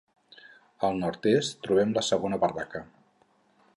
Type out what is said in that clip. Al nord-est trobem la segona barraca.